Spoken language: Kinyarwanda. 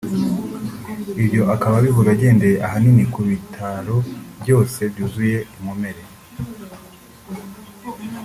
ibyo akaba abivuga agendeye ahanini ko ibitaro byose byuzuye inkomere